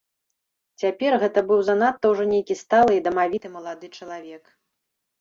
Цяпер гэта быў занадта ўжо нейкі сталы і дамавіты малады чалавек.